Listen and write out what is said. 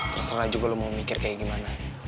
terserah juga lu mau mikir kayak gimana